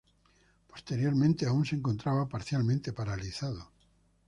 Posteriormente aún se encontraba parcialmente paralizado.